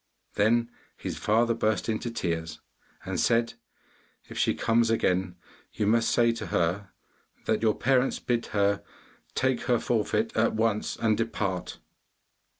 Then his father burst into tears and said, 'If she comes again you must say to her that your parents bid her take her forfeit at once, and depart.